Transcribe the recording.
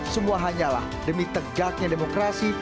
semua hanyalah demi tegaknya demokrasi